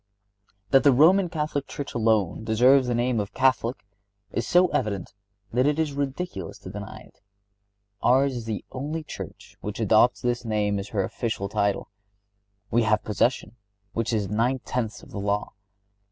That the Roman Catholic Church alone deserves the name of Catholic is so evident that it is ridiculous to deny it. Ours is the only Church which adopts this name as her official title. We have possession, which is nine tenths of the law.